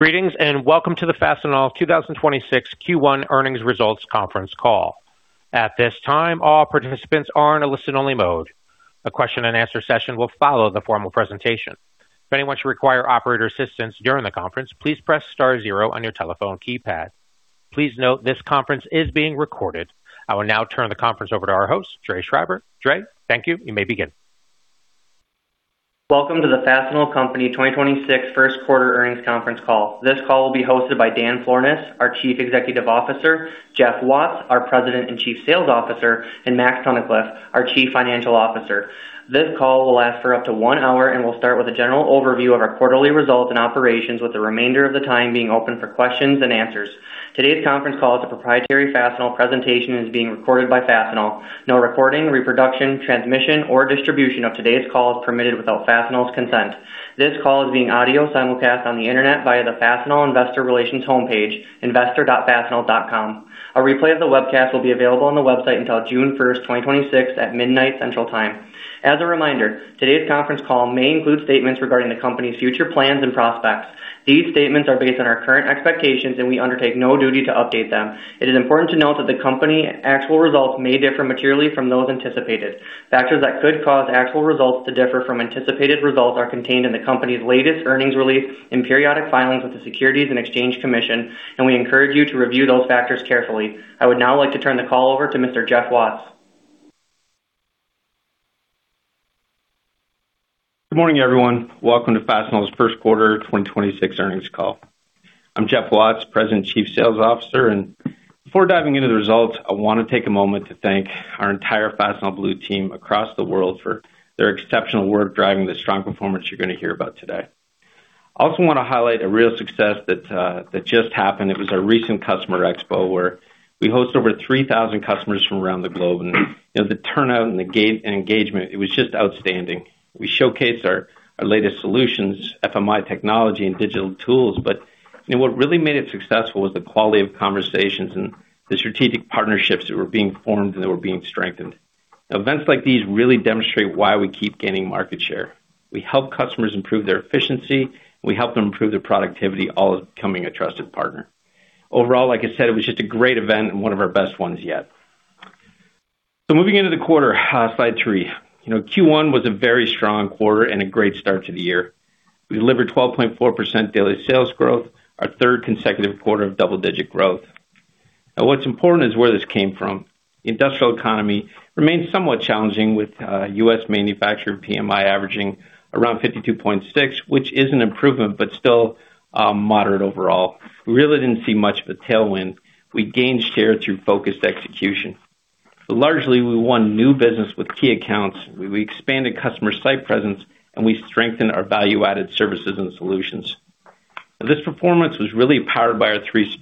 Greetings. Welcome to the Fastenal 2026 Q1 Earnings Results conference call. At this time, all participants are in a listen-only mode. A question and answer session will follow the formal presentation. If anyone should require operator assistance during the conference, please press star zero on your telephone keypad. Please note this conference is being recorded. I will now turn the conference over to our host, Dray Schreiber. Dray, thank you. You may begin. Welcome to the Fastenal Company 2026 first quarter earnings conference call. This call will be hosted by Dan Florness, our Chief Executive Officer, Jeff Watts, our President and Chief Sales Officer, and Max Tunnicliff, our Chief Financial Officer. This call will last for up to one hour and will start with a general overview of our quarterly results and operations, with the remainder of the time being open for questions and answers. Today's conference call is a proprietary Fastenal presentation and is being recorded by Fastenal. No recording, reproduction, transmission, or distribution of today's call is permitted without Fastenal's consent. This call is being audio simulcast on the internet via the Fastenal Investor Relations homepage, investor.fastenal.com. A replay of the webcast will be available on the website until June 1st, 2026, at midnight Central Time. As a reminder, today's conference call may include statements regarding the company's future plans and prospects. These statements are based on our current expectations, and we undertake no duty to update them. It is important to note that the company's actual results may differ materially from those anticipated. Factors that could cause actual results to differ from anticipated results are contained in the company's latest earnings release in periodic filings with the Securities and Exchange Commission, and we encourage you to review those factors carefully. I would now like to turn the call over to Mr. Jeff Watts. Good morning, everyone. Welcome to Fastenal's first quarter 2026 earnings call. I'm Jeff Watts, President and Chief Sales Officer, and before diving into the results, I want to take a moment to thank our entire Fastenal Blue Team across the world for their exceptional work driving the strong performance you're going to hear about today. I also want to highlight a real success that just happened. It was our recent Customer Expo where we hosted over 3,000 customers from around the globe. The turnout and engagement, it was just outstanding. We showcased our latest solutions, FMI technology and digital tools. What really made it successful was the quality of conversations and the strategic partnerships that were being formed and that were being strengthened. Events like these really demonstrate why we keep gaining market share. We help customers improve their efficiency. We help them improve their productivity, while becoming a trusted partner. Overall, like I said, it was just a great event and one of our best ones yet. Moving into the quarter, slide three. Q1 was a very strong quarter and a great start to the year. We delivered 12.4% daily sales growth, our third consecutive quarter of double-digit growth. Now, what's important is where this came from. Industrial economy remains somewhat challenging with U.S. manufacturing PMI averaging around 52.6, which is an improvement but still moderate overall. We really didn't see much of a tailwind. We gained share through focused execution. Largely, we won new business with key accounts. We expanded customer site presence, and we strengthened our value-added services and solutions. This performance was really powered by our three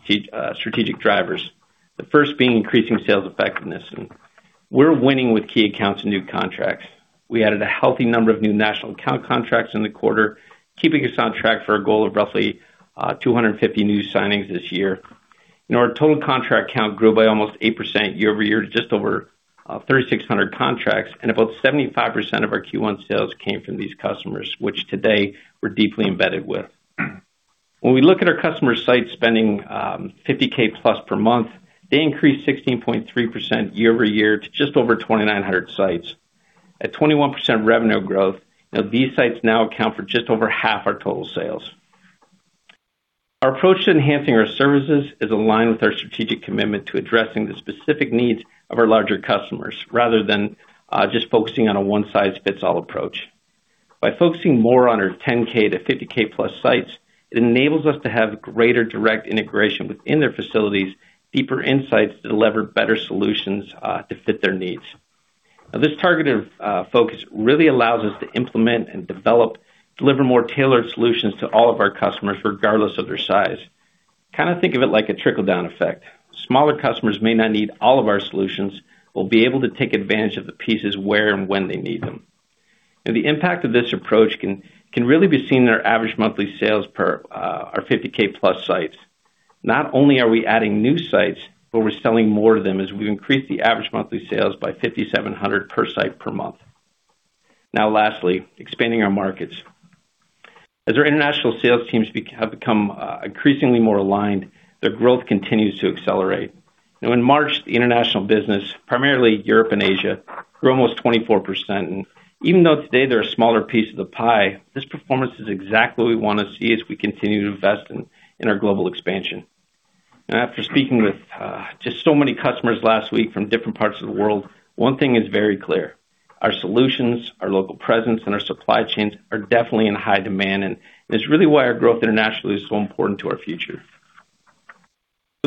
strategic drivers, the first being increasing sales effectiveness. We're winning with key accounts and new contracts. We added a healthy number of new national account contracts in the quarter, keeping us on track for a goal of roughly 250 new signings this year. Our total contract count grew by almost 8% year-over-year to just over 3,600 contracts, and about 75% of our Q1 sales came from these customers, which today we're deeply embedded with. When we look at our customer site spending, $50,000+ per month, they increased 16.3% year-over-year to just over 2,900 sites. At 21% revenue growth, these sites now account for just over half our total sales. Our approach to enhancing our services is aligned with our strategic commitment to addressing the specific needs of our larger customers, rather than just focusing on a one-size-fits-all approach. By focusing more on our $10,000-$50,000+ sites, it enables us to have greater direct integration within their facilities, deeper insights to deliver better solutions to fit their needs. Now, this targeted focus really allows us to implement and develop, deliver more tailored solutions to all of our customers, regardless of their size. Kind of think of it like a trickle-down effect. Smaller customers may not need all of our solutions, will be able to take advantage of the pieces where and when they need them. Now, the impact of this approach can really be seen in our average monthly sales per our $50,000+ sites. Not only are we adding new sites, but we're selling more to them as we increase the average monthly sales by $5,700 per site per month. Now lastly, expanding our markets. As our international sales teams have become increasingly more aligned, their growth continues to accelerate. Now in March, the international business, primarily Europe and Asia, grew almost 24%. Even though today they're a smaller piece of the pie, this performance is exactly what we want to see as we continue to invest in our global expansion. After speaking with just so many customers last week from different parts of the world, one thing is very clear, our solutions, our local presence, and our supply chains are definitely in high demand, and it's really why our growth internationally is so important to our future.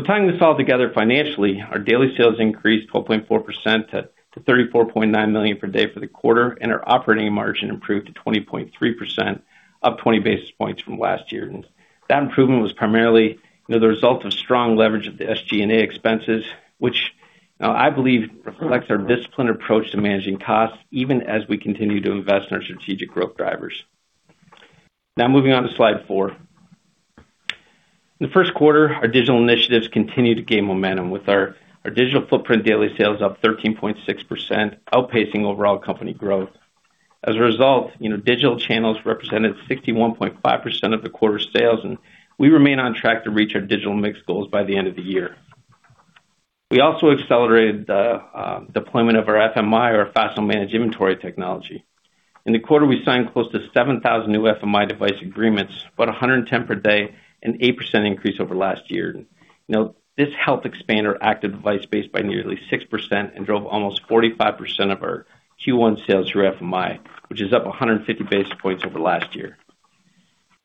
Tying this all together financially, our daily sales increased 12.4% to $34.9 million per day for the quarter, and our operating margin improved to 20.3%, up 20 basis points from last year. That improvement was primarily the result of strong leverage of the SG&A expenses, which now I believe reflects our disciplined approach to managing costs, even as we continue to invest in our strategic growth drivers. Now moving on to slide four. In the first quarter, our digital initiatives continued to gain momentum with our Digital Footprint daily sales up 13.6%, outpacing overall company growth. As a result, digital channels represented 61.5% of the quarter's sales, and we remain on track to reach our digital mix goals by the end of the year. We also accelerated the deployment of our FMI, or Fastenal Managed Inventory technology. In the quarter, we signed close to 7,000 new FMI device agreements, about 110 per day, an 8% increase over last year. Now, this helped expand our active device base by nearly 6% and drove almost 45% of our Q1 sales through FMI, which is up 150 basis points over last year.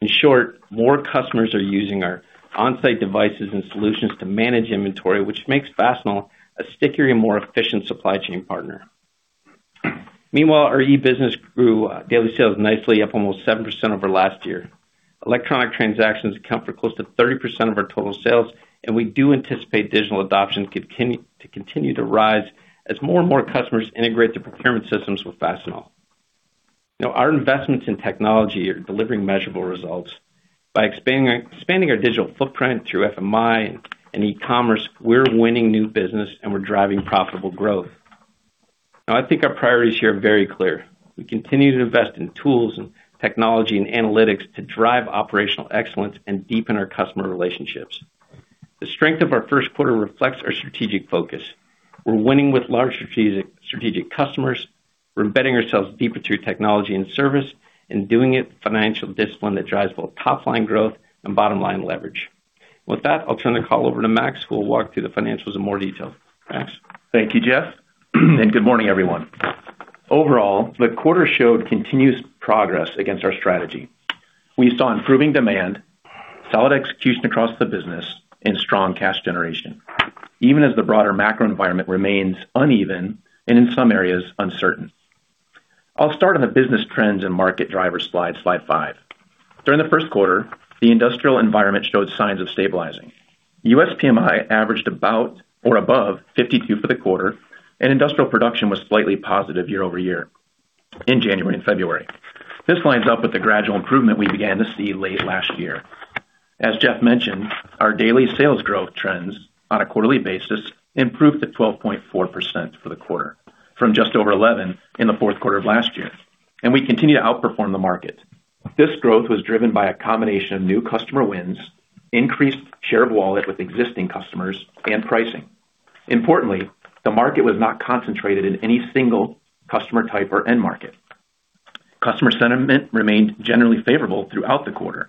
In short, more customers are using our on-site devices and solutions to manage inventory, which makes Fastenal a stickier and more efficient supply chain partner. Meanwhile, our eBusiness grew daily sales nicely, up almost 7% over last year. Electronic transactions account for close to 30% of our total sales, and we do anticipate digital adoption to continue to rise as more and more customers integrate their procurement systems with Fastenal. Now, our investments in technology are delivering measurable results. By expanding our Digital Footprint through FMI and e-commerce, we're winning new business and we're driving profitable growth. Now I think our priorities here are very clear. We continue to invest in tools and technology and analytics to drive operational excellence and deepen our customer relationships. The strength of our first quarter reflects our strategic focus. We're winning with large strategic customers. We're embedding ourselves deeper through technology and service, and doing it with financial discipline that drives both top-line growth and bottom-line leverage. With that, I'll turn the call over to Max, who will walk through the financials in more detail. Max? Thank you, Jeff, and good morning, everyone. Overall, the quarter showed continuous progress against our strategy. We saw improving demand, solid execution across the business, and strong cash generation, even as the broader macro environment remains uneven and, in some areas, uncertain. I'll start on the business trends and market drivers slide five. During the first quarter, the industrial environment showed signs of stabilizing. U.S. PMI averaged about or above 52 for the quarter, and industrial production was slightly positive year-over-year in January and February. This lines up with the gradual improvement we began to see late last year. As Jeff mentioned, our daily sales growth trends on a quarterly basis improved to 12.4% for the quarter from just over 11% in the fourth quarter of last year, and we continue to outperform the market. This growth was driven by a combination of new customer wins, increased share of wallet with existing customers, and pricing. Importantly, the market was not concentrated in any single customer type or end market. Customer sentiment remained generally favorable throughout the quarter.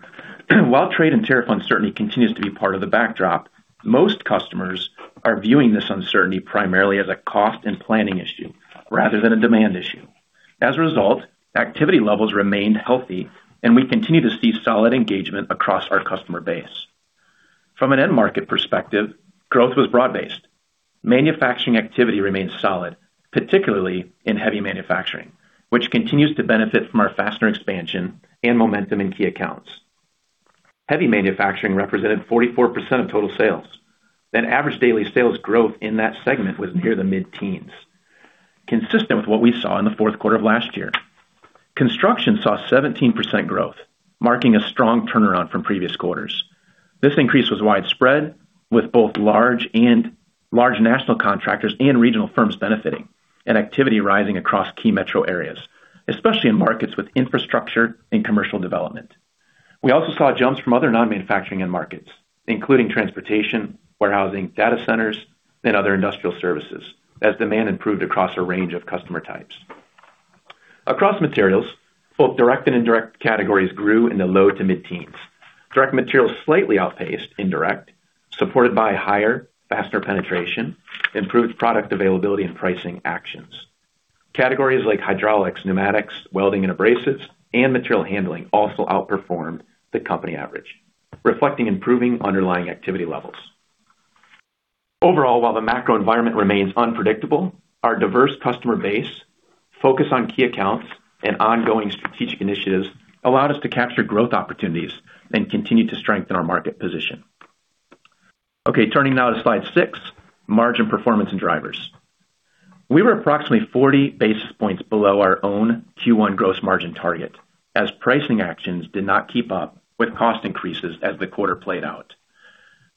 While trade and tariff uncertainty continues to be part of the backdrop, most customers are viewing this uncertainty primarily as a cost and planning issue rather than a demand issue. As a result, activity levels remained healthy, and we continue to see solid engagement across our customer base. From an end market perspective, growth was broad-based. Manufacturing activity remains solid, particularly in heavy manufacturing, which continues to benefit from our fastener expansion and momentum in key accounts. Heavy manufacturing represented 44% of total sales. Average daily sales growth in that segment was near the mid-teens, consistent with what we saw in the fourth quarter of last year. Construction saw 17% growth, marking a strong turnaround from previous quarters. This increase was widespread, with both large national contractors and regional firms benefiting, and activity rising across key metro areas, especially in markets with infrastructure and commercial development. We also saw jumps from other non-manufacturing end markets, including transportation, warehousing, data centers, and other industrial services, as demand improved across a range of customer types. Across materials, both direct and indirect categories grew in the low to mid-teens. Direct materials slightly outpaced indirect, supported by higher fastener penetration, improved product availability, and pricing actions. Categories like hydraulics/pneumatics, welding/abrasives, and material handling also outperformed the company average, reflecting improving underlying activity levels. Overall, while the macro environment remains unpredictable, our diverse customer base, focus on key accounts, and ongoing strategic initiatives allowed us to capture growth opportunities and continue to strengthen our market position. Turning now to slide six, margin performance and drivers. We were approximately 40 basis points below our own Q1 gross margin target, as pricing actions did not keep up with cost increases as the quarter played out.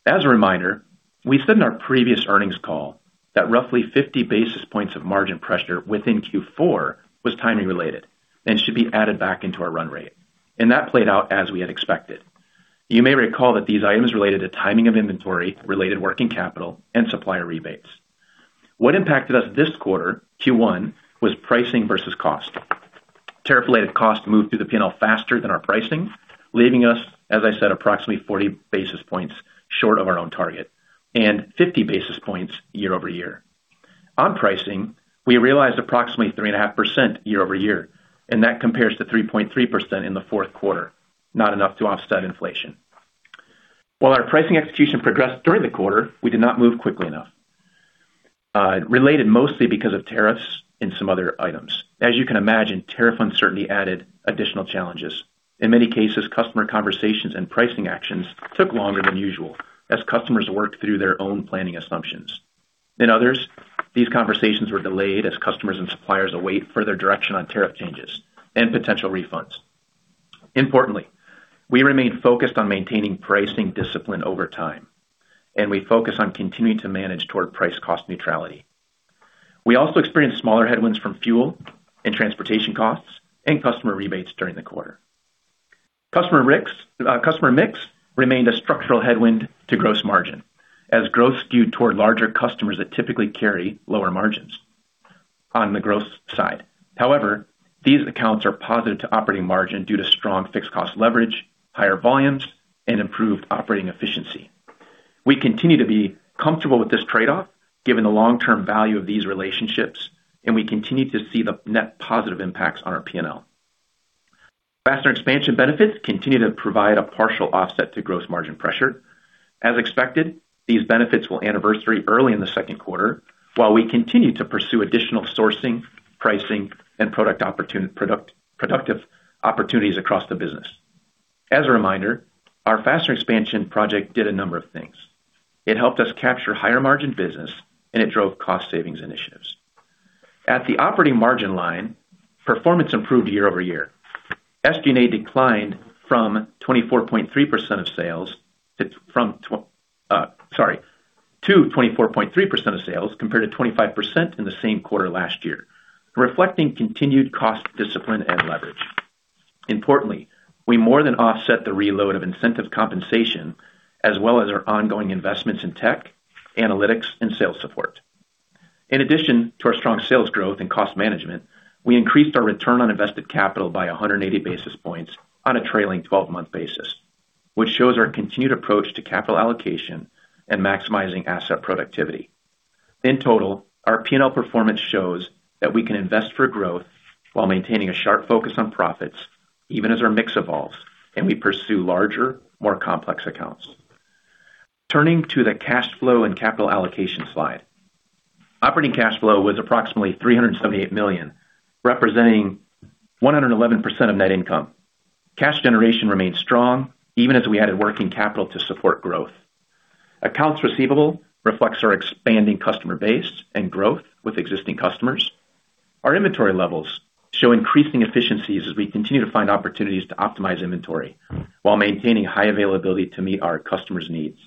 As a reminder, we said in our previous earnings call that roughly 50 basis points of margin pressure within Q4 was timing related and should be added back into our run rate, and that played out as we had expected. You may recall that these items related to timing of inventory, related working capital, and supplier rebates. What impacted us this quarter, Q1, was pricing versus cost. Tariff-related costs moved through the P&L faster than our pricing, leaving us, as I said, approximately 40 basis points short of our own target and 50 basis points year-over-year. On pricing, we realized approximately 3.5% year-over-year, and that compares to 3.3% in the fourth quarter, not enough to offset inflation. While our pricing execution progressed during the quarter, we did not move quickly enough, related mostly because of tariffs and some other items. As you can imagine, tariff uncertainty added additional challenges. In many cases, customer conversations and pricing actions took longer than usual as customers worked through their own planning assumptions. In others, these conversations were delayed as customers and suppliers await further direction on tariff changes and potential refunds. Importantly, we remain focused on maintaining pricing discipline over time, and we focus on continuing to manage toward price-cost neutrality. We also experienced smaller headwinds from fuel and transportation costs and customer rebates during the quarter. Customer mix remained a structural headwind to gross margin, as growth skewed toward larger customers that typically carry lower margins on the growth side. However, these accounts are positive to operating margin due to strong fixed cost leverage, higher volumes, and improved operating efficiency. We continue to be comfortable with this trade-off given the long-term value of these relationships, and we continue to see the net positive impacts on our P&L. Fastener expansion benefits continue to provide a partial offset to gross margin pressure. As expected, these benefits will anniversary early in the second quarter while we continue to pursue additional sourcing, pricing, and productive opportunities across the business. As a reminder, our fastener expansion project did a number of things. It helped us capture higher margin business, and it drove cost savings initiatives. At the operating margin line, performance improved year-over-year. SG&A declined to 24.3% of sales compared to 25% in the same quarter last year, reflecting continued cost discipline and leverage. Importantly, we more than offset the reload of incentive compensation as well as our ongoing investments in tech, analytics, and sales support. In addition to our strong sales growth and cost management, we increased our return on invested capital by 180 basis points on a trailing 12-month basis, which shows our continued approach to capital allocation and maximizing asset productivity. In total, our P&L performance shows that we can invest for growth while maintaining a sharp focus on profits, even as our mix evolves and we pursue larger, more complex accounts. Turning to the cash flow and capital allocation slide. Operating cash flow was approximately $378 million, representing 111% of net income. Cash generation remained strong even as we added working capital to support growth. Accounts receivable reflects our expanding customer base and growth with existing customers. Our inventory levels show increasing efficiencies as we continue to find opportunities to optimize inventory while maintaining high availability to meet our customers' needs.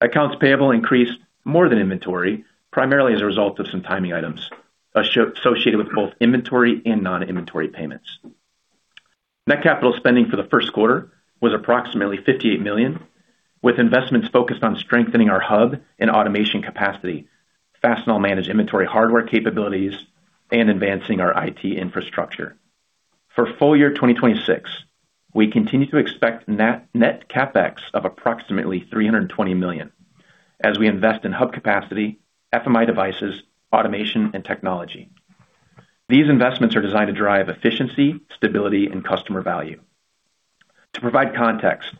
Accounts payable increased more than inventory, primarily as a result of some timing items associated with both inventory and non-inventory payments. Net capital spending for the first quarter was approximately $58 million, with investments focused on strengthening our hub and automation capacity, Fastenal Managed Inventory hardware capabilities, and advancing our IT infrastructure. For full year 2026, we continue to expect net CapEx of approximately $320 million as we invest in hub capacity, FMI devices, automation, and technology. These investments are designed to drive efficiency, stability, and customer value. To provide context,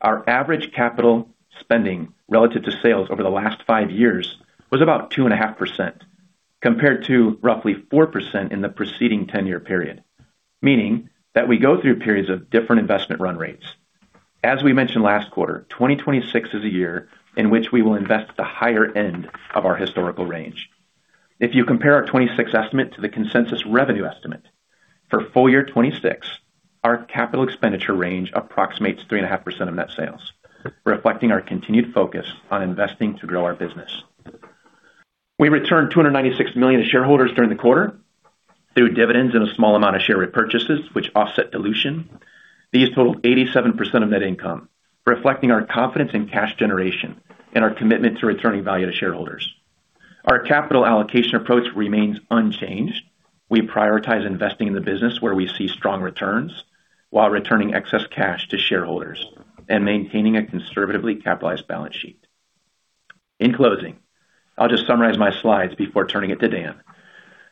our average capital spending relative to sales over the last five years was about 2.5%, compared to roughly 4% in the preceding 10-year period, meaning that we go through periods of different investment run rates. As we mentioned last quarter, 2026 is a year in which we will invest the higher end of our historical range. If you compare our 2026 estimate to the consensus revenue estimate for full year 2026, our capital expenditure range approximates 3.5% of net sales, reflecting our continued focus on investing to grow our business. We returned $296 million to shareholders during the quarter through dividends and a small amount of share repurchases, which offset dilution. These totaled 87% of net income, reflecting our confidence in cash generation and our commitment to returning value to shareholders. Our capital allocation approach remains unchanged. We prioritize investing in the business where we see strong returns while returning excess cash to shareholders and maintaining a conservatively capitalized balance sheet. In closing, I'll just summarize my slides before turning it to Dan.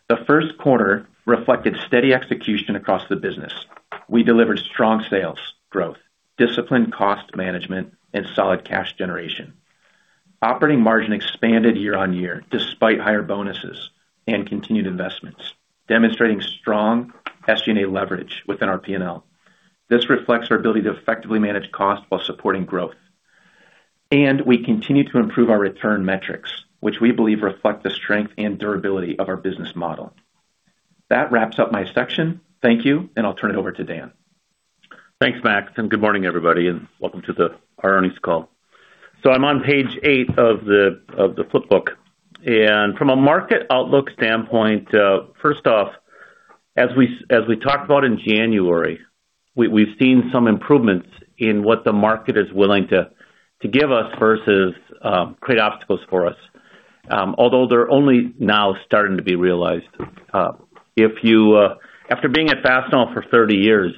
The first quarter reflected steady execution across the business. We delivered strong sales growth, disciplined cost management, and solid cash generation. Operating margin expanded year-on-year despite higher bonuses and continued investments, demonstrating strong SG&A leverage within our P&L. This reflects our ability to effectively manage cost while supporting growth. We continue to improve our return metrics, which we believe reflect the strength and durability of our business model. That wraps up my section. Thank you, and I'll turn it over to Dan. Thanks, Max, and good morning, everybody, and welcome to our earnings call. I'm on page eight of the flip book. From a market outlook standpoint, first off, as we talked about in January, we've seen some improvements in what the market is willing to give us versus create obstacles for us, although they're only now starting to be realized. After being at Fastenal for 30 years,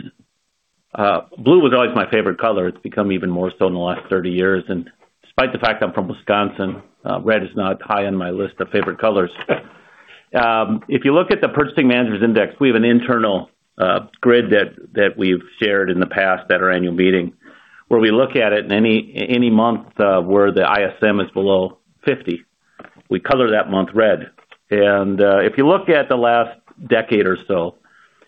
blue was always my favorite color. It's become even more so in the last 30 years, and despite the fact I'm from Wisconsin, red is not high on my list of favorite colors. If you look at the Purchasing Managers' Index, we have an internal grid that we've shared in the past at our Annual Meeting, where we look at it in any month where the ISM is below 50, we color that month red. If you look at the last decade or so,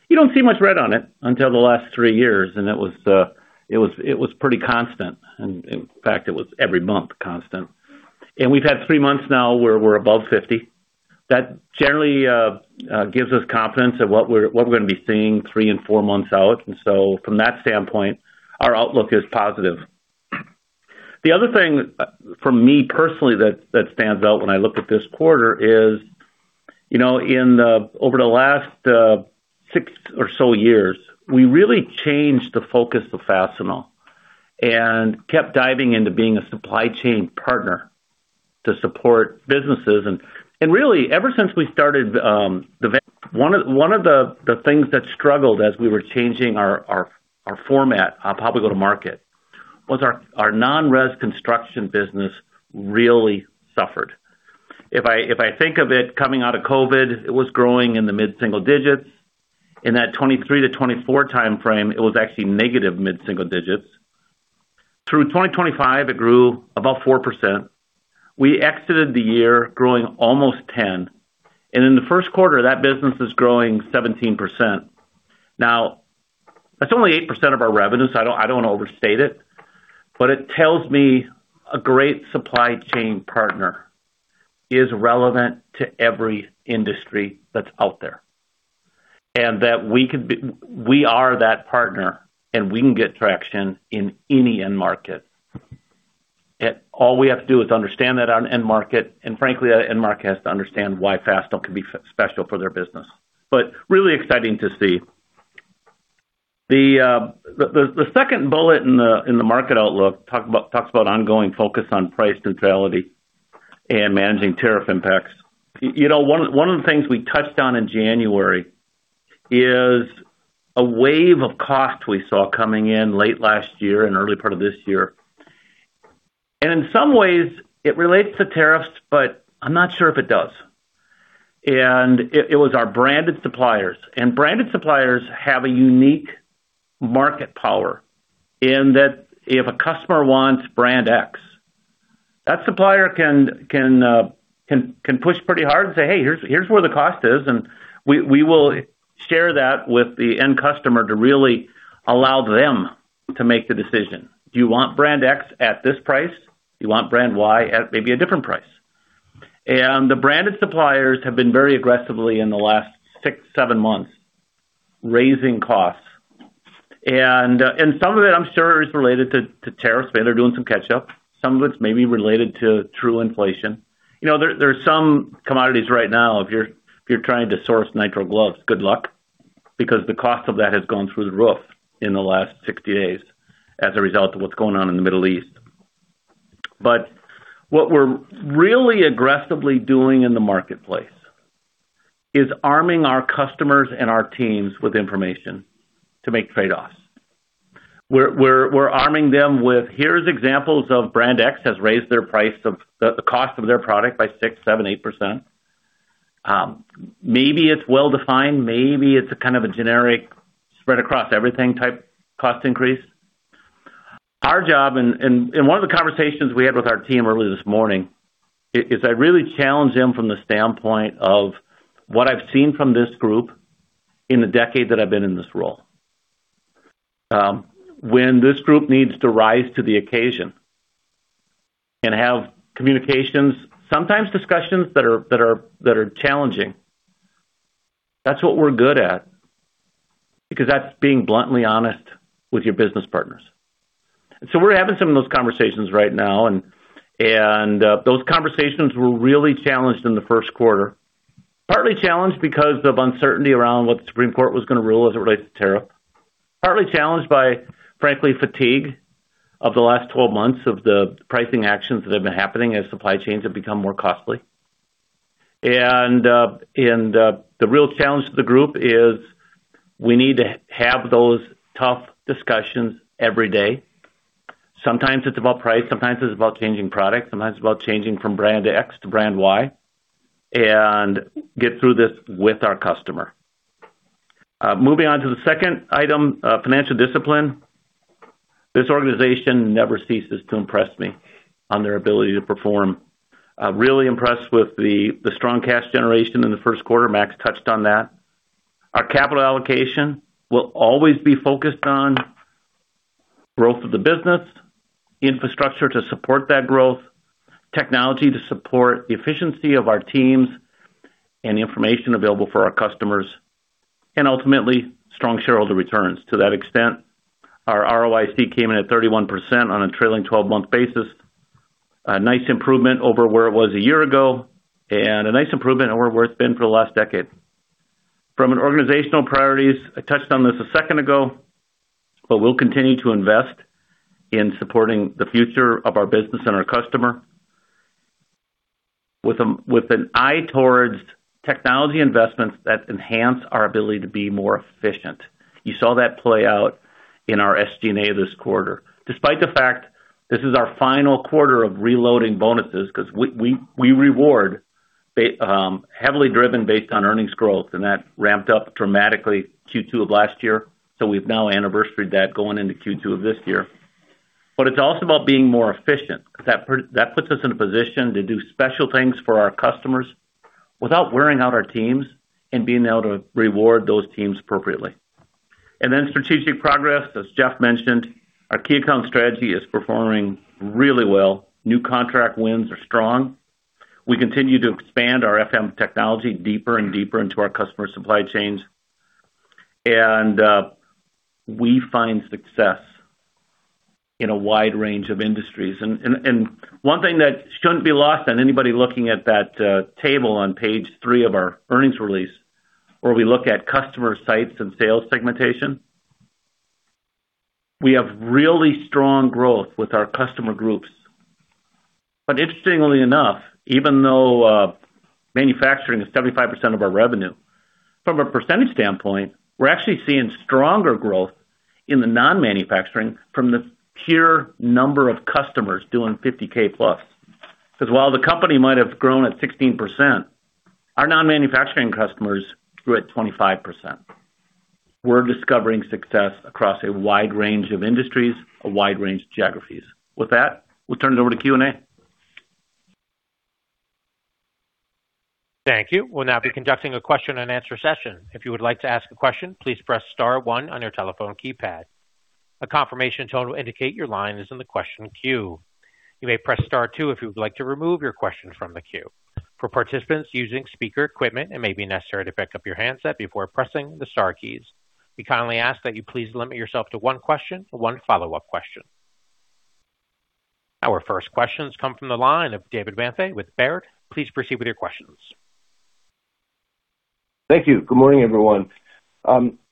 you don't see much red on it until the last three years, and it was pretty constant. In fact, it was every month constant. We've had three months now where we're above 50. That generally gives us confidence in what we're going to be seeing three and four months out. From that standpoint, our outlook is positive. The other thing for me personally that stands out when I look at this quarter is, over the last six or so years, we really changed the focus of Fastenal and kept diving into being a supply chain partner to support businesses. Really, ever since we started, one of the things that struggled as we were changing our format, our public go-to-market, was our non-res construction business really suffered. If I think of it coming out of COVID, it was growing in the mid-single digits. In that 2023-2024 timeframe, it was actually negative mid-single digits. Through 2025, it grew about 4%. We exited the year growing almost 10%. In the first quarter, that business is growing 17%. Now, that's only 8% of our revenue, so I don't want to overstate it, but it tells me a great supply chain partner is relevant to every industry that's out there, and that we are that partner, and we can get traction in any end market. All we have to do is understand that end market, and frankly, that end market has to understand why Fastenal can be special for their business, really exciting to see. The second bullet in the market outlook talks about ongoing focus on price neutrality and managing tariff impacts. One of the things we touched on in January is a wave of cost we saw coming in late last year and early part of this year. In some ways, it relates to tariffs, but I'm not sure if it does. It was our branded suppliers. Branded suppliers have a unique market power in that if a customer wants Brand X, that supplier can push pretty hard and say, Hey, here's where the cost is, and we will share that with the end customer to really allow them to make the decision. Do you want Brand X at this price? Do you want Brand Y at maybe a different price? The branded suppliers have been very aggressively, in the last six, seven months, raising costs. Some of it, I'm sure, is related to tariffs. Maybe they're doing some catch-up. Some of it's maybe related to true inflation. There's some commodities right now, if you're trying to source nitrile gloves, good luck, because the cost of that has gone through the roof in the last 60 days as a result of what's going on in the Middle East. What we're really aggressively doing in the marketplace is arming our customers and our teams with information to make trade-offs. We're arming them with, here's examples of brand X has raised the cost of their product by 6%, 7%, 8%. Maybe it's well-defined, maybe it's a kind of a generic spread-across-everything type cost increase. Our job, and one of the conversations we had with our team early this morning, is I really challenge them from the standpoint of what I've seen from this group in the decade that I've been in this role. When this group needs to rise to the occasion and have communications, sometimes discussions that are challenging, that's what we're good at, because that's being bluntly honest with your business partners. We're having some of those conversations right now, and those conversations were really challenged in the first quarter, partly challenged because of uncertainty around what the Supreme Court was going to rule as it relates to tariff, partly challenged by, frankly, fatigue of the last 12 months of the pricing actions that have been happening as supply chains have become more costly. The real challenge to the group is we need to have those tough discussions every day. Sometimes it's about price, sometimes it's about changing product, sometimes it's about changing from brand X to brand Y, and get through this with our customer. Moving on to the second item, financial discipline. This organization never ceases to impress me on their ability to perform. I am really impressed with the strong cash generation in the first quarter. Max touched on that. Our capital allocation will always be focused on growth of the business, infrastructure to support that growth, technology to support the efficiency of our teams, and the information available for our customers, and ultimately, strong shareholder returns. To that extent, our ROIC came in at 31% on a trailing 12-month basis, a nice improvement over where it was a year ago, and a nice improvement over where it's been for the last decade. From an organizational priorities, I touched on this a second ago, but we'll continue to invest in supporting the future of our business and our customer with an eye towards technology investments that enhance our ability to be more efficient. You saw that play out in our SG&A this quarter. Despite the fact this is our final quarter of reloading bonuses, because we reward heavily driven based on earnings growth, and that ramped up dramatically Q2 of last year. We've now anniversaried that going into Q2 of this year. It's also about being more efficient. That puts us in a position to do special things for our customers without wearing out our teams and being able to reward those teams appropriately. Strategic progress, as Jeff mentioned, our key account strategy is performing really well. New contract wins are strong. We continue to expand our FMI technology deeper and deeper into our customer supply chains. We find success in a wide range of industries, and one thing that shouldn't be lost on anybody looking at that table on page three of our earnings release, where we look at customer sites and sales segmentation. We have really strong growth with our customer groups. Interestingly enough, even though manufacturing is 75% of our revenue, from a percentage standpoint, we're actually seeing stronger growth in the non-manufacturing from the pure number of customers doing $50,000+, because while the company might have grown at 16%, our non-manufacturing customers grew at 25%. We're discovering success across a wide range of industries, a wide range of geographies. With that, we'll turn it over to Q&A. Thank you. We'll now be conducting a question and answer session. If you would like to ask a question, please press star one on your telephone keypad. A confirmation tone will indicate your line is in the question queue. You may press star two if you would like to remove your question from the queue. For participants using speaker equipment, it may be necessary to pick up your handset before pressing the star keys. We kindly ask that you please limit yourself to one question and one follow-up question. Our first questions come from the line of David Manthey with Baird. Please proceed with your questions. Thank you. Good morning, everyone.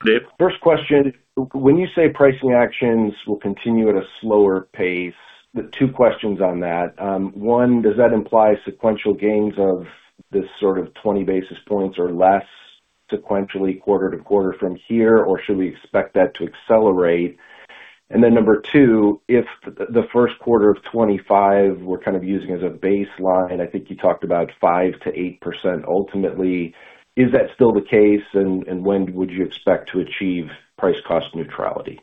Dave. First question. When you say pricing actions will continue at a slower pace, the two questions on that, one, does that imply sequential gains of this sort of 20 basis points or less sequentially quarter-to-quarter from here, or should we expect that to accelerate? Number two, if the first quarter of 2025 we're kind of using as a baseline, I think you talked about 5%-8% ultimately. Is that still the case? When would you expect to achieve price-cost neutrality?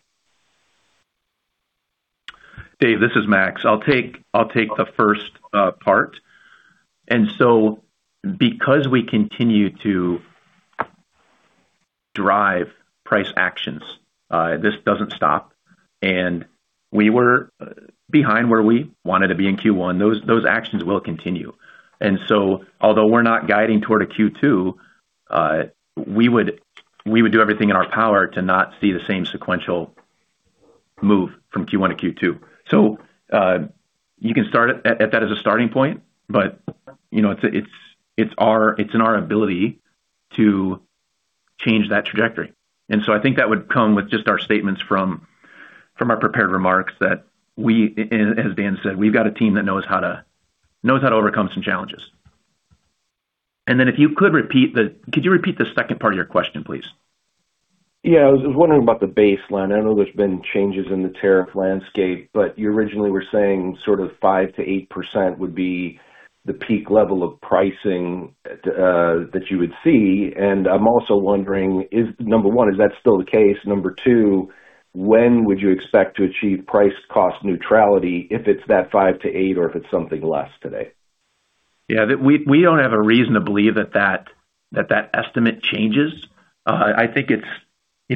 Dave, this is Max. I'll take the first part. Because we continue to drive price actions, this doesn't stop, and we were behind where we wanted to be in Q1, those actions will continue. Although we're not guiding toward a Q2, we would do everything in our power to not see the same sequential move from Q1 to Q2. You can start at that as a starting point, but it's in our ability to change that trajectory. I think that would come with just our statements from our prepared remarks that, as Dan said, we've got a team that knows how to overcome some challenges. Could you repeat the second part of your question, please? Yeah. I was wondering about the baseline. I know there's been changes in the tariff landscape, but you originally were saying sort of 5%-8% would be the peak level of pricing that you would see. I'm also wondering, number one, is that still the case? Number two, when would you expect to achieve price cost neutrality if it's that 5%-8% or if it's something less today? Yeah. We don't have a reason to believe that that estimate changes. I think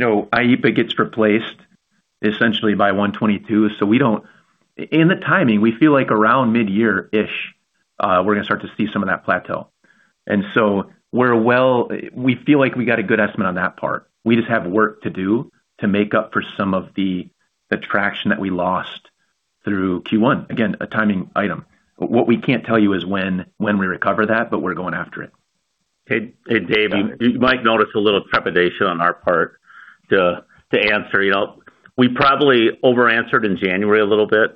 IEEPA gets replaced essentially by 122. In the timing, we feel like around mid-year-ish, we're going to start to see some of that plateau. We feel like we got a good estimate on that part. We just have work to do to make up for some of the traction that we lost through Q1. Again, a timing item. What we can't tell you is when we recover that, but we're going after it. Hey, David. You might notice a little trepidation on our part to answer. We probably over-answered in January a little bit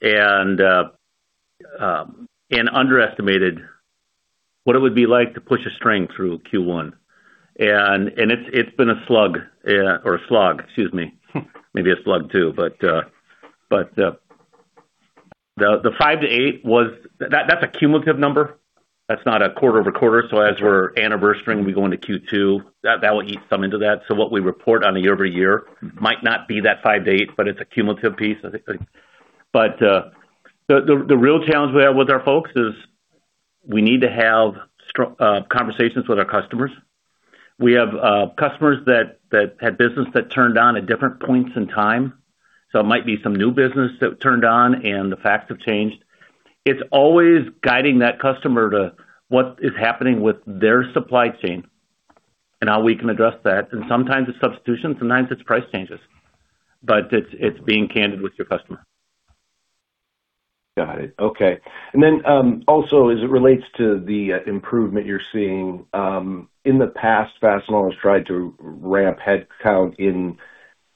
and underestimated what it would be like to push a string through Q1. It's been a slug or a slog, excuse me. Maybe a slug, too. The 5%-8%, that's a cumulative number. That's not a quarter-over-quarter. As we're anniversarying, we go into Q2, that will eat some into that. What we report on a year-over-year might not be that 5%-8%, but it's a cumulative piece. The real challenge we have with our folks is we need to have conversations with our customers. We have customers that had business that turned on at different points in time. It might be some new business that turned on and the facts have changed. It's always guiding that customer to what is happening with their supply chain and how we can address that. Sometimes it's substitution, sometimes it's price changes. It's being candid with your customer. Got it. Okay. As it relates to the improvement you're seeing, in the past, Fastenal has tried to ramp headcount in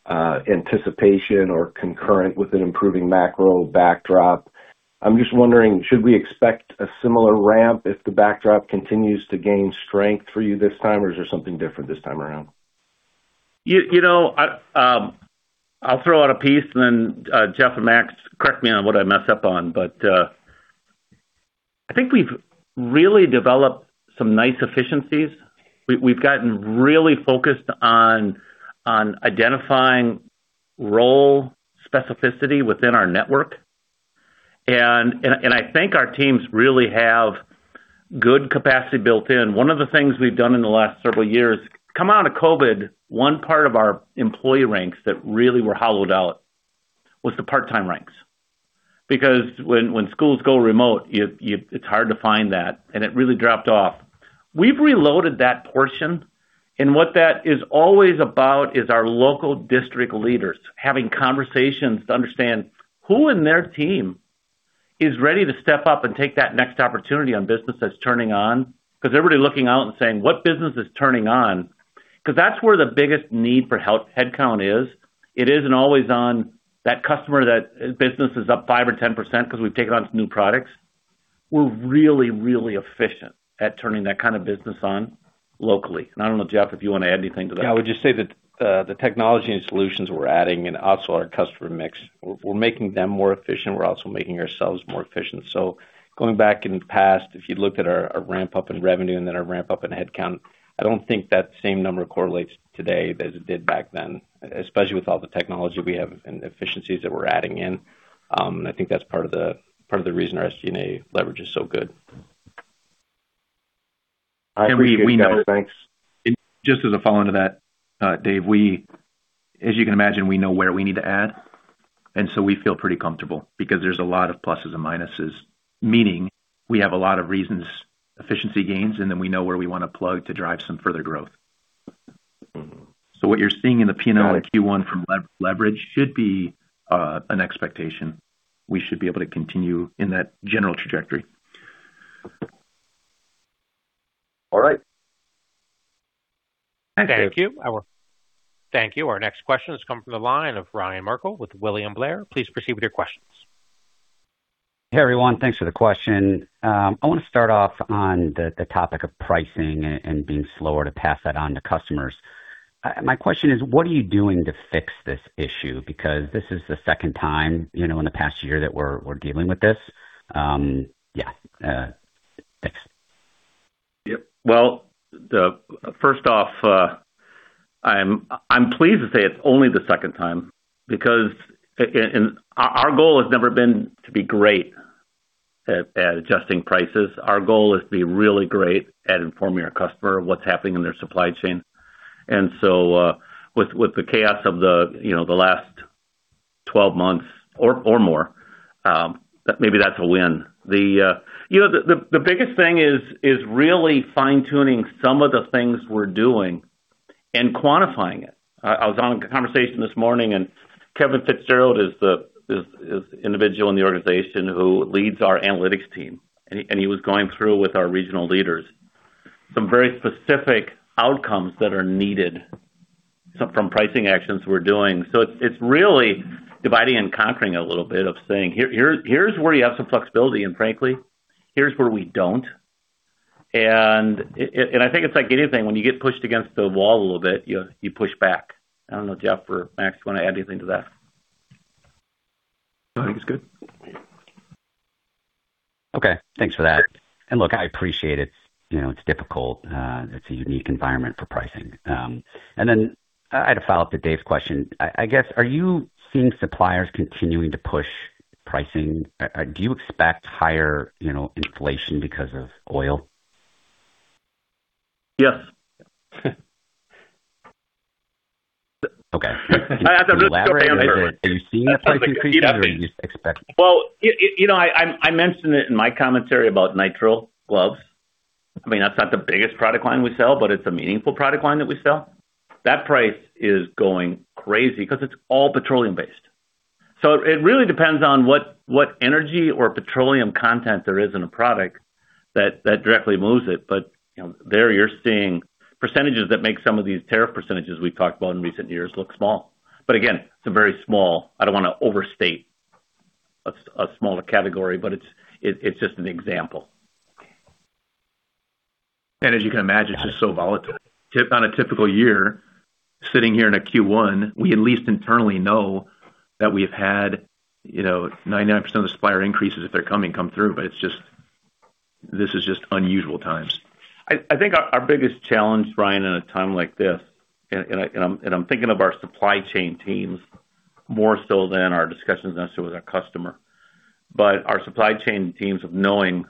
anticipation or concurrent with an improving macro backdrop. I'm just wondering, should we expect a similar ramp if the backdrop continues to gain strength for you this time, or is there something different this time around? I'll throw out a piece and then Jeff and Max, correct me on what I mess up on, but I think we've really developed some nice efficiencies. We've gotten really focused on identifying role specificity within our network. I think our teams really have good capacity built in. One of the things we've done in the last several years, coming out of COVID, one part of our employee ranks that really were hollowed out was the part-time ranks. Because when schools go remote, it's hard to find that, and it really dropped off. We've reloaded that portion, and what that is always about is our local district leaders having conversations to understand who in their team is ready to step up and take that next opportunity on business that's turning on. Because everybody looking out and saying, "What business is turning on?" because that's where the biggest need for headcount is. It isn't always on that customer. That business is up 5% or 10% because we've taken on some new products. We're really efficient at turning that kind of business on locally. I don't know, Jeff, if you want to add anything to that. Yeah, I would just say that the technology and solutions we're adding and also our customer mix, we're making them more efficient, we're also making ourselves more efficient. Going back in the past, if you looked at our ramp-up in revenue and then our ramp-up in headcount, I don't think that same number correlates today as it did back then, especially with all the technology we have and efficiencies that we're adding in. I think that's part of the reason our SG&A leverage is so good. I appreciate that. Thanks. Just as a follow-on to that, Dave, as you can imagine, we know where we need to add. We feel pretty comfortable because there's a lot of pluses and minuses, meaning we have a lot of reasons, efficiency gains, and then we know where we want to plug to drive some further growth. What you're seeing in the P&L in Q1 from leverage should be an expectation. We should be able to continue in that general trajectory. All right. Thank you. Our next question is coming from the line of Ryan Merkel with William Blair. Please proceed with your questions. Everyone, thanks for the question. I want to start off on the topic of pricing and being slower to pass that on to customers. My question is, what are you doing to fix this issue, because this is the second time in the past year that we're dealing with this? Yeah. Thanks. Well, first off, I'm pleased to say it's only the second time because our goal has never been to be great at adjusting prices. Our goal is to be really great at informing our customer of what's happening in their supply chain. With the chaos of the last 12 months or more, maybe that's a win. The biggest thing is really fine-tuning some of the things we're doing and quantifying it. I was on a conversation this morning, and Kevin Fitzgerald is the individual in the organization who leads our analytics team, and he was going through with our regional leaders some very specific outcomes that are needed from pricing actions we're doing. It's really dividing and conquering a little bit of saying, here's where you have some flexibility, and frankly, here's where we don't. I think it's like anything, when you get pushed against the wall a little bit, you push back. I don't know, Jeff or Max, you want to add anything to that? No, I think it's good. Okay. Thanks for that. Look, I appreciate it. It's difficult. It's a unique environment for pricing. I had a follow-up to Dave's question. I guess, are you seeing suppliers continuing to push pricing? Do you expect higher inflation because of oil? Yes. Okay. That's a really broad answer. Are you seeing that pricing increase or are you expecting it? Well, I mentioned it in my commentary about nitrile gloves. That's not the biggest product line we sell, but it's a meaningful product line that we sell. That price is going crazy because it's all petroleum-based. It really depends on what energy or petroleum content there is in a product that directly moves it. There you're seeing percentages that make some of these tariff percentages we've talked about in recent years look small. Again, it's a very small, I don't want to overstate a smaller category, but it's just an example. As you can imagine, it's just so volatile. On a typical year, sitting here in a Q1, we at least internally know that we've had 99% of the supplier increases, if they're coming, come through, but this is just unusual times. I think our biggest challenge, Ryan, in a time like this, and I'm thinking of our supply chain teams more so than our discussions necessarily with our customer, our supply chain teams of knowing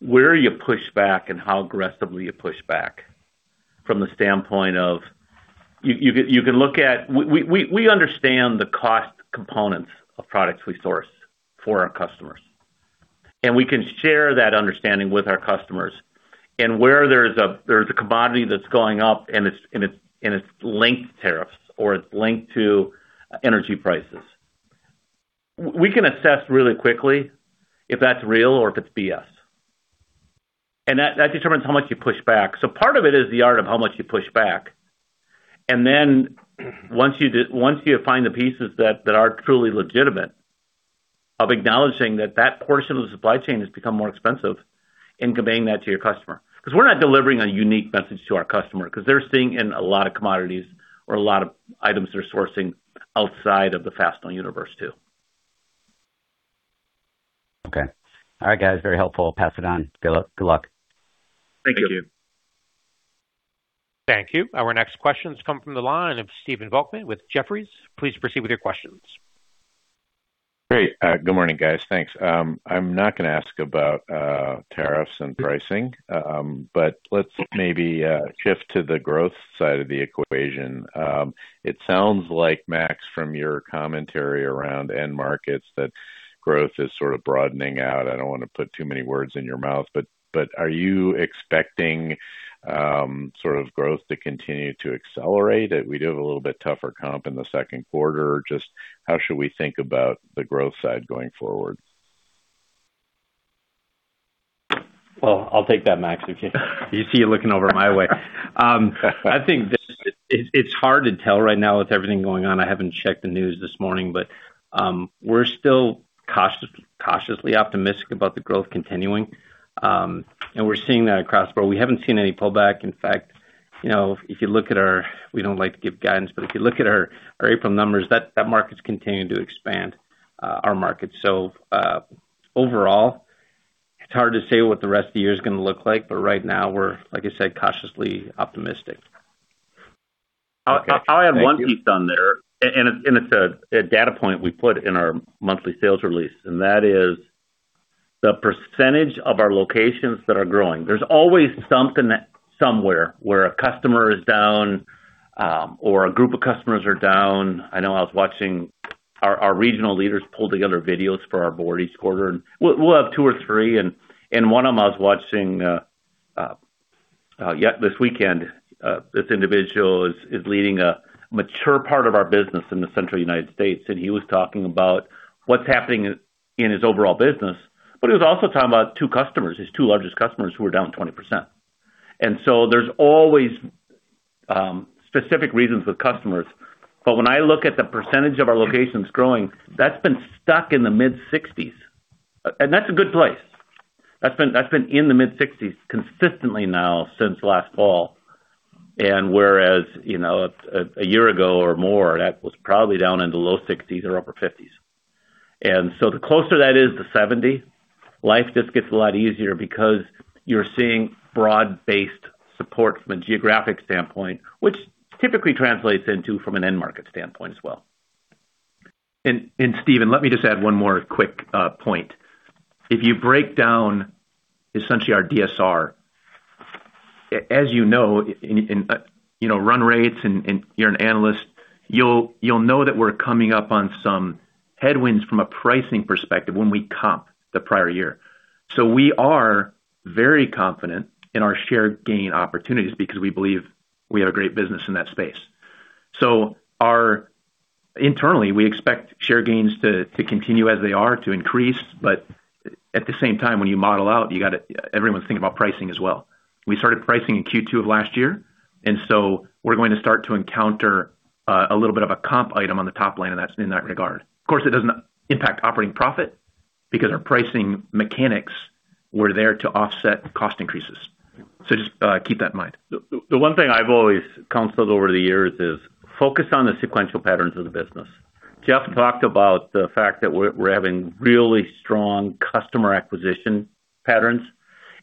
where you push back and how aggressively you push back from the standpoint of, we understand the cost components of products we source for our customers, and we can share that understanding with our customers. Where there's a commodity that's going up and it's linked to tariffs, or it's linked to energy prices, we can assess really quickly if that's real or if it's BS. That determines how much you push back. Part of it is the art of how much you push back, and then once you find the pieces that are truly legitimate of acknowledging that that portion of the supply chain has become more expensive and conveying that to your customer. Because we're not delivering a unique message to our customer because they're seeing in a lot of commodities or a lot of items they're sourcing outside of the Fastenal universe, too. Okay. All right, guys, very helpful. Pass it on. Good luck. Thank you. Our next questions come from the line of Stephen Volkmann with Jefferies. Please proceed with your questions. Great. Good morning, guys. Thanks. I'm not going to ask about tariffs and pricing, but let's maybe shift to the growth side of the equation. It sounds like, Max, from your commentary around end markets, that growth is sort of broadening out. I don't want to put too many words in your mouth, but are you expecting sort of growth to continue to accelerate? We do have a little bit tougher comp in the second quarter. Just how should we think about the growth side going forward? Well, I'll take that, Max. I see you looking over my way. I think it's hard to tell right now with everything going on. I haven't checked the news this morning, but we're still cautiously optimistic about the growth continuing. We're seeing that across the board. We haven't seen any pullback. In fact, we don't like to give guidance, but if you look at our April numbers, that market's continuing to expand, our market. Overall, it's hard to say what the rest of the year is going to look like, but right now we're, like I said, cautiously optimistic. Okay. Thank you. I'll add one piece on there, and it's a data point we put in our monthly sales release, and that is the percentage of our locations that are growing. There's always something somewhere where a customer is down or a group of customers are down. I know I was watching our regional leaders pull together videos for our Board each quarter, and we'll have two or three. One of them I was watching this weekend. This individual is leading a mature part of our business in the Central United States, and he was talking about what's happening in his overall business. He was also talking about two customers, his two largest customers, who are down 20%. There's always specific reasons with customers. When I look at the percentage of our locations growing, that's been stuck in the mid-60s, and that's a good place. That's been in the mid-60s consistently now since last fall. Whereas a year ago or more, that was probably down in the low 60s or upper 50s. The closer that is to 70, life just gets a lot easier because you're seeing broad-based support from a geographic standpoint, which typically translates into from an end market standpoint as well. Stephen, let me just add one more quick point. If you break down essentially our DSR, as you know, run rates, and you're an analyst, you'll know that we're coming up on some headwinds from a pricing perspective when we comp the prior year. We are very confident in our share gain opportunities because we believe we have great business in that space. Internally, we expect share gains to continue as they are, to increase. At the same time, when you model out, everyone's thinking about pricing as well. We started pricing in Q2 of last year, and so we're going to start to encounter a little bit of a comp item on the top line in that regard. Of course, it doesn't impact operating profit because our pricing mechanics were there to offset cost increases. Just keep that in mind. The one thing I've always counseled over the years is focus on the sequential patterns of the business. Jeff talked about the fact that we're having really strong customer acquisition patterns,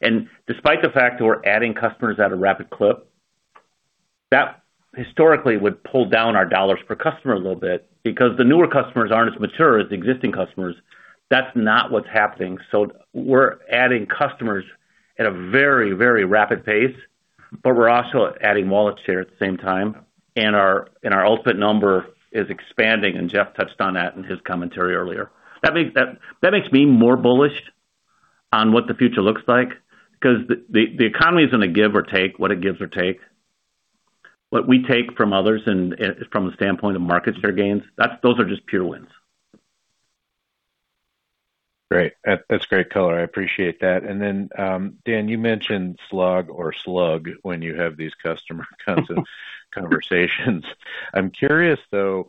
and despite the fact that we're adding customers at a rapid clip, that historically would pull down our dollars per customer a little bit because the newer customers aren't as mature as the existing customers. That's not what's happening. We're adding customers at a very rapid pace, but we're also adding wallet share at the same time, and our ultimate number is expanding, and Jeff touched on that in his commentary earlier. That makes me more bullish on what the future looks like because the economy is going to give or take what it gives or take. What we take from others and from a standpoint of market share gains, those are just pure wins. Great. That's great color. I appreciate that. Dan, you mentioned slog or slug when you have these customer kinds of conversations. I'm curious though,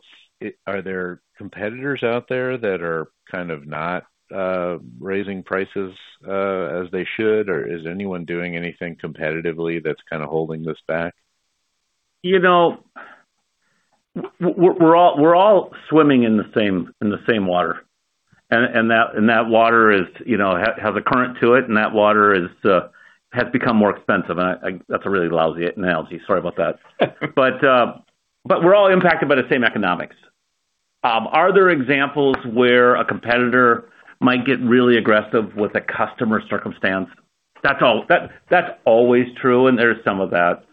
are there competitors out there that are kind of not raising prices as they should? Is anyone doing anything competitively that's kind of holding this back? We're all swimming in the same water, and that water has a current to it, and that water has become more expensive. That's a really lousy analogy. Sorry about that. We're all impacted by the same economics. Are there examples where a competitor might get really aggressive with a customer circumstance? That's always true, and there's some of that.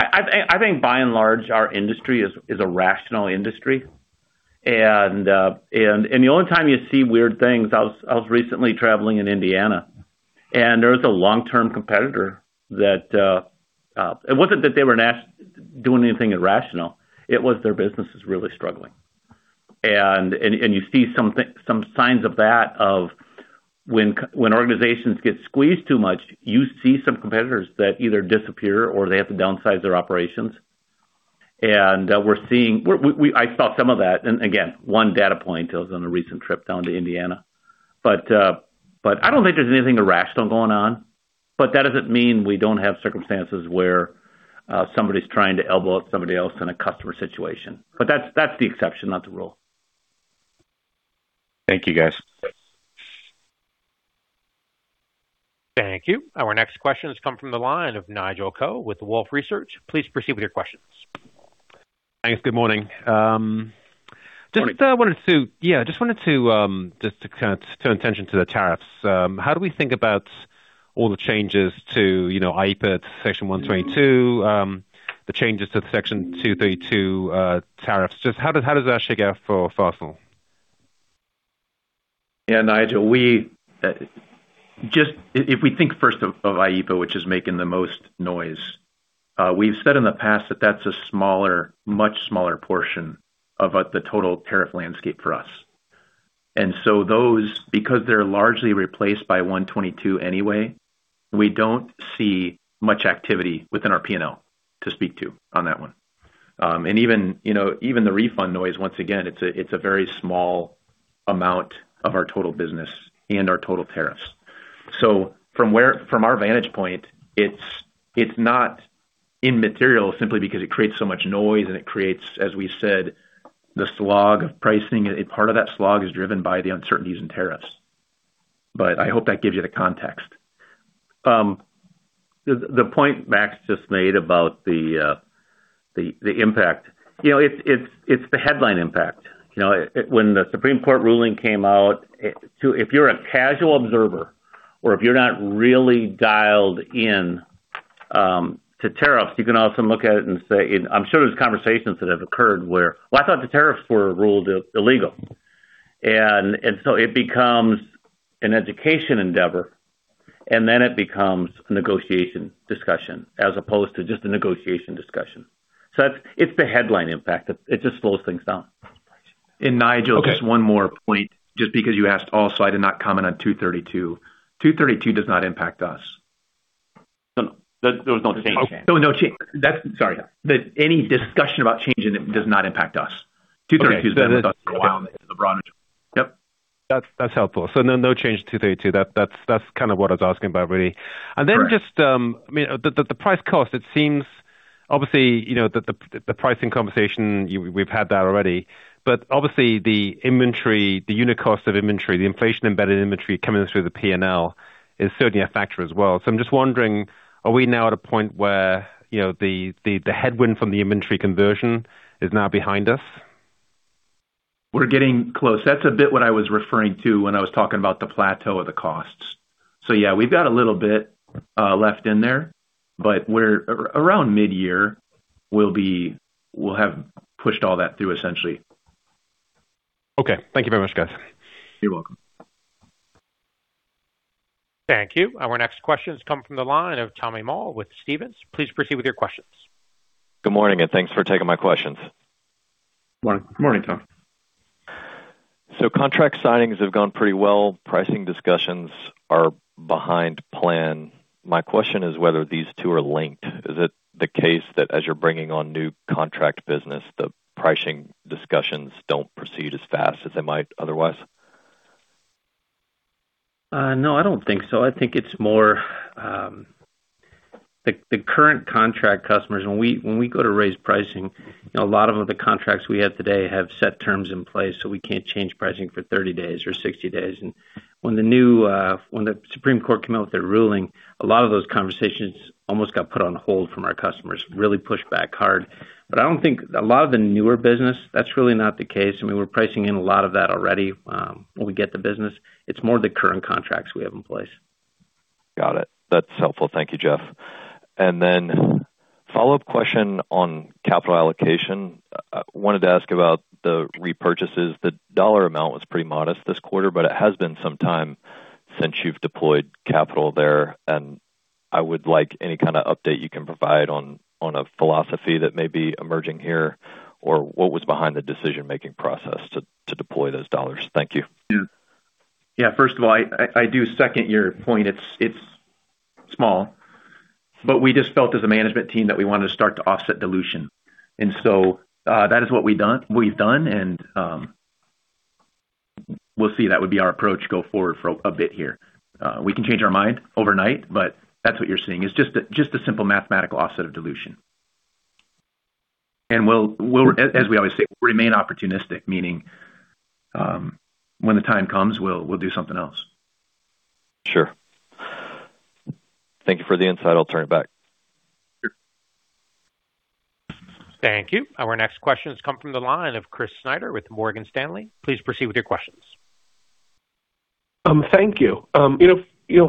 I think by and large our industry is a rational industry. The only time you see weird things, I was recently traveling in Indiana. There was a long-term competitor that it wasn't that they were doing anything irrational, it was their business is really struggling. You see some signs of that of when organizations get squeezed too much, you see some competitors that either disappear or they have to downsize their operations. I saw some of that. Again, one data point is on a recent trip down to Indiana, but I don't think there's anything irrational going on. That doesn't mean we don't have circumstances where somebody's trying to elbow out somebody else in a customer situation. That's the exception, not the rule. Thank you, guys. Thank you. Our next question has come from the line of Nigel Coe with Wolfe Research. Please proceed with your questions. Thanks. Good morning. Morning. Just wanted to turn attention to the tariffs. How do we think about all the changes to IEEPA Section 122, the changes to Section 232 tariffs? Just how does that shake out for Fastenal? Yeah, Nigel, if we think first of IEEPA, which is making the most noise, we've said in the past that that's a much smaller portion of the total tariff landscape for us. Those, because they're largely replaced by 122 anyway, we don't see much activity within our P&L to speak to on that one. Even the refund noise, once again, it's a very small amount of our total business and our total tariffs. From our vantage point, it's not immaterial simply because it creates so much noise and it creates, as we said, the slog of pricing. Part of that slog is driven by the uncertainties in tariffs. I hope that gives you the context. The point Max just made about the impact, it's the headline impact. When the Supreme Court ruling came out, if you're a casual observer or if you're not really dialed in to tariffs, you can also look at it and say, I'm sure there's conversations that have occurred where, well, I thought the tariffs were ruled illegal. It becomes an education endeavor, and then it becomes a negotiation discussion as opposed to just a negotiation discussion. It's the headline impact. It just slows things down. Nigel, just one more point, just because you asked also, I did not comment on 232. 232 does not impact us. There was no change. Sorry. Any discussion about changing it does not impact us. 232 is across the board. Yep. That's helpful. No change to 232. That's kind of what I was asking about, really. Correct. Just the price-cost, it seems, obviously, the pricing conversation, we've had that already, but obviously the inventory, the unit cost of inventory, the inflation-embedded inventory coming through the P&L is certainly a factor as well. I'm just wondering, are we now at a point where the headwind from the inventory conversion is now behind us? We're getting close. That's a bit what I was referring to when I was talking about the plateau of the costs. Yeah, we've got a little bit left in there, but around mid-year, we'll have pushed all that through, essentially. Okay. Thank you very much, guys. You're welcome. Thank you. Our next question has come from the line of Tommy Moll with Stephens. Please proceed with your questions. Good morning, and thanks for taking my questions. Morning, Tommy. Contract signings have gone pretty well. Pricing discussions are behind plan. My question is whether these two are linked. Is it the case that as you're bringing on new contract business, the pricing discussions don't proceed as fast as they might otherwise? No, I don't think so. I think it's more the current contract customers. When we go to raise pricing, a lot of the contracts we have today have set terms in place, so we can't change pricing for 30 days or 60 days. When the Supreme Court came out with their ruling, a lot of those conversations almost got put on hold from our customers, really pushed back hard. I don't think a lot of the newer business, that's really not the case. I mean, we're pricing in a lot of that already when we get the business. It's more the current contracts we have in place. Got it. That's helpful. Thank you, Jeff. Follow-up question on capital allocation. I wanted to ask about the repurchases. The dollar amount was pretty modest this quarter, but it has been some time since you've deployed capital there, and I would like any kind of update you can provide on a philosophy that may be emerging here or what was behind the decision-making process to deploy those dollars. Thank you. Yeah. First of all, I do second your point. It's small, but we just felt as a management team that we wanted to start to offset dilution. That is what we've done and we'll see. That would be our approach go forward for a bit here. We can change our mind overnight, but that's what you're seeing is just a simple mathematical offset of dilution. As we always say, we'll remain opportunistic, meaning when the time comes, we'll do something else. Sure. Thank you for the insight. I'll turn it back. Thank you. Our next question has come from the line of Chris Snyder with Morgan Stanley. Please proceed with your questions. Thank you.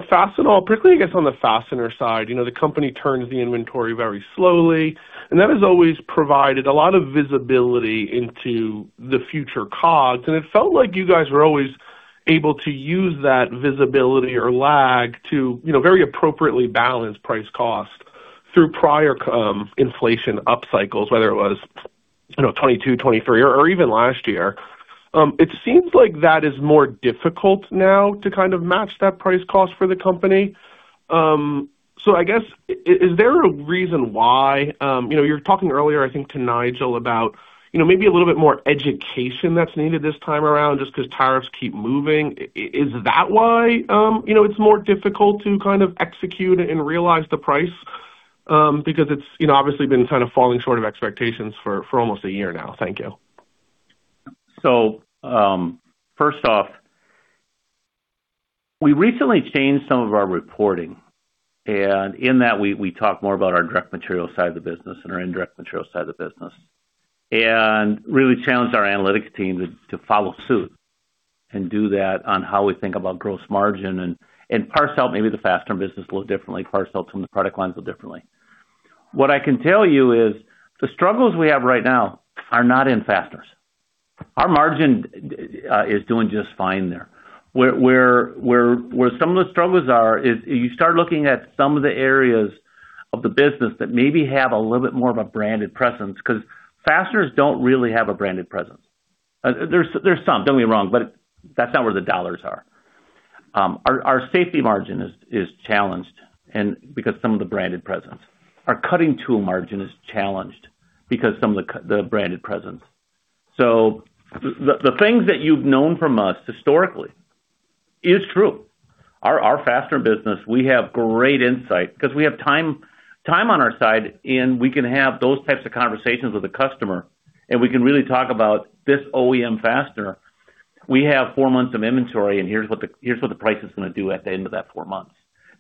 Fastener, particularly, I guess, on the fastener side, the company turns the inventory very slowly. That has always provided a lot of visibility into the future COGS, and it felt like you guys were always able to use that visibility or lag to very appropriately balance price cost through prior inflation upcycles, whether it was 2022, 2023, or even last year. It seems like that is more difficult now to kind of match that price cost for the company. I guess is there a reason why? You were talking earlier, I think, to Nigel about maybe a little bit more education that's needed this time around just because tariffs keep moving. Is that why it's more difficult to kind of execute and realize the price, because it's obviously been kind of falling short of expectations for almost one year now? Thank you. First off, we recently changed some of our reporting. In that, we talk more about our direct material side of the business and our indirect material side of the business, and really challenged our analytics team to follow suit and do that on how we think about gross margin and parcel out maybe the fastener business a little differently, parcel out some of the product lines little differently. What I can tell you is the struggles we have right now are not in fasteners. Our margin is doing just fine there. Where some of the struggles are is you start looking at some of the areas of the business that maybe have a little bit more of a branded presence, because fasteners don't really have a branded presence. There's some, don't get me wrong, but that's not where the dollars are. Our safety margin is challenged because some of the branded presence. Our cutting tool margin is challenged because some of the branded presence. The things that you've known from us historically is true. Our fastener business, we have great insight because we have time on our side, and we can have those types of conversations with the customer, and we can really talk about this OEM fastener. We have four months of inventory, and here's what the price is going to do at the end of that four months.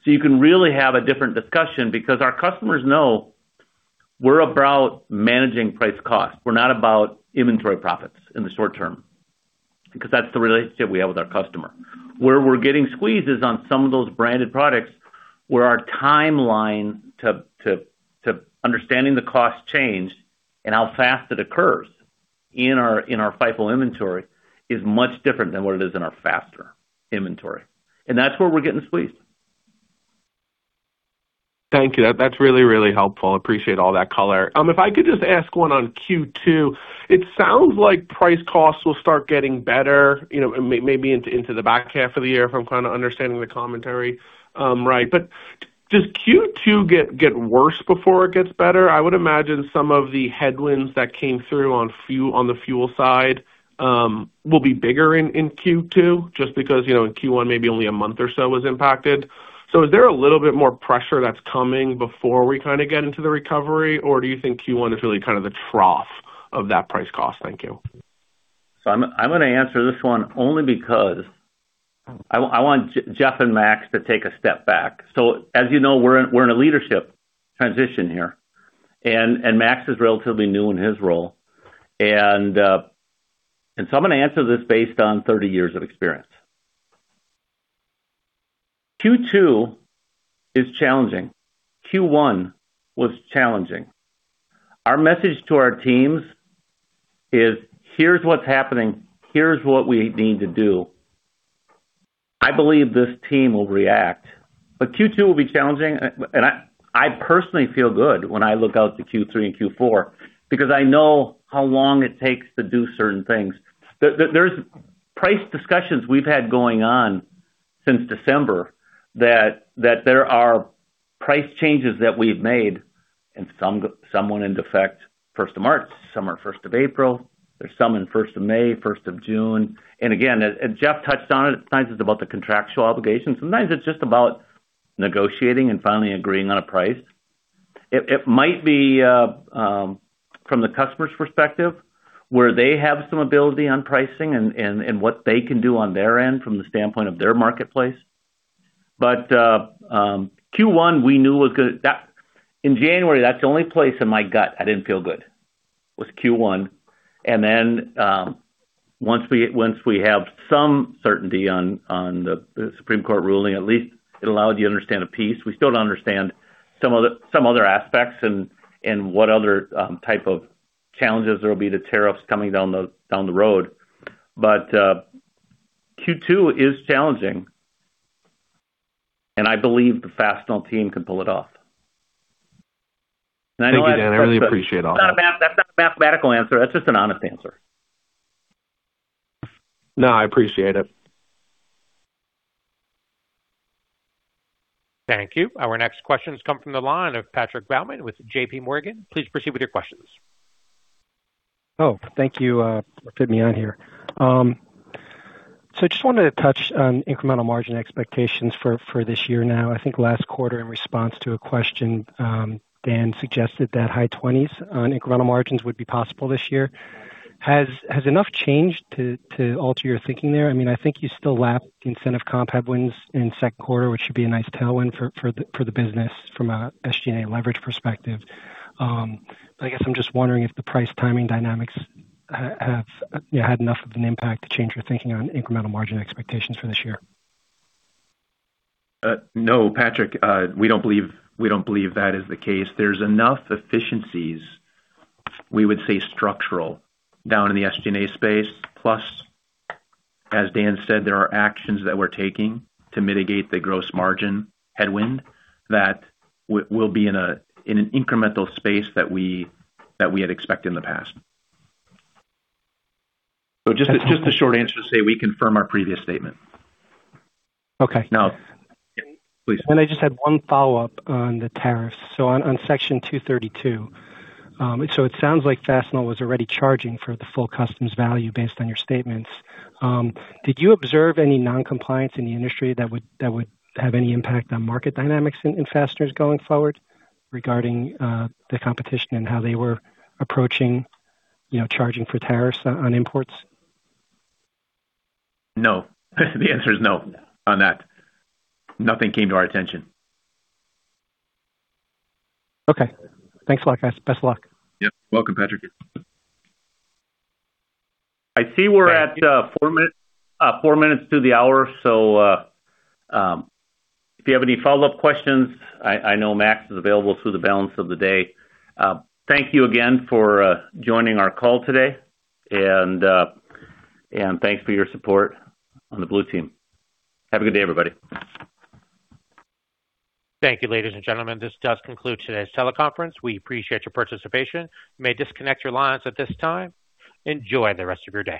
You can really have a different discussion because our customers know we're about managing price cost. We're not about inventory profits in the short term, because that's the relationship we have with our customer. Where we're getting squeezed is on some of those branded products where our timeline to understanding the cost change and how fast it occurs in our FIFO inventory is much different than what it is in our fastener inventory. That's where we're getting squeezed. Thank you. That's really helpful. Appreciate all that color. If I could just ask one on Q2. It sounds like price costs will start getting better, maybe into the back half of the year, if I'm kind of understanding the commentary right. Does Q2 get worse before it gets better? I would imagine some of the headwinds that came through on the fuel side will be bigger in Q2, just because in Q1, maybe only a month or so was impacted. Is there a little bit more pressure that's coming before we kind of get into the recovery? Do you think Q1 is really kind of the trough of that price cost? Thank you. I'm going to answer this one only because I want Jeff and Max to take a step back. As you know, we're in a leadership transition here, and Max is relatively new in his role. I'm going to answer this based on 30 years of experience. Q2 is challenging. Q1 was challenging. Our message to our teams is here's what's happening, here's what we need to do. I believe this team will react. Q2 will be challenging, and I personally feel good when I look out to Q3 and Q4 because I know how long it takes to do certain things. There's price discussions we've had going on since December that there are price changes that we've made and some went into effect 1st of March, some are 1st of April. There's some in 1st of May, 1st of June. Again, as Jeff touched on, at times it's about the contractual obligations. Sometimes it's just about negotiating and finally agreeing on a price. It might be from the customer's perspective, where they have some ability on pricing and what they can do on their end from the standpoint of their marketplace. Q1, in January, that's the only place in my gut I didn't feel good, was Q1. Once we have some certainty on the Supreme Court ruling, at least it allows you to understand a piece. We still don't understand some other aspects and what other type of challenges there will be to tariffs coming down the road. Q2 is challenging, and I believe the Fastenal team can pull it off. Thank you, Dan. I really appreciate all that. That's not a mathematical answer. That's just an honest answer. No, I appreciate it. Thank you. Our next question comes from the line of Patrick Baumann with JPMorgan. Please proceed with your questions. Oh, thank you for putting me on here. I just wanted to touch on incremental margin expectations for this year now. I think last quarter, in response to a question, Dan suggested that high-20s on incremental margins would be possible this year. Has enough changed to alter your thinking there? I think you still lap the incentive comp headwinds in second quarter, which should be a nice tailwind for the business from a SG&A leverage perspective. I guess I'm just wondering if the price timing dynamics have had enough of an impact to change your thinking on incremental margin expectations for this year. No, Patrick, we don't believe that is the case. There's enough efficiencies, we would say structural, down in the SG&A space. Plus, as Dan said, there are actions that we're taking to mitigate the gross margin headwind that will be in an incremental space that we had expected in the past. Just the short answer to say we confirm our previous statement. Okay. Now, please. I just had one follow-up on the tariffs. On Section 232, it sounds like Fastenal was already charging for the full customs value based on your statements. Did you observe any non-compliance in the industry that would have any impact on market dynamics in fasteners going forward regarding the competition and how they were approaching charging for tariffs on imports? No. The answer is no on that. Nothing came to our attention. Okay. Thanks a lot, guys. Best of luck. Yep. Welcome, Patrick. I see we're at four minutes to the hour. If you have any follow-up questions, I know Max is available through the balance of the day. Thank you again for joining our call today, and thanks for your support on the Blue Team. Have a good day, everybody. Thank you, ladies and gentlemen. This does conclude today's teleconference. We appreciate your participation. You may disconnect your lines at this time. Enjoy the rest of your day.